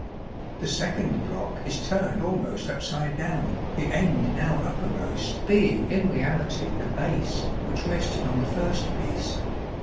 The second block is turned almost upside down, the end now uppermost being in reality the base which rested on the first piece.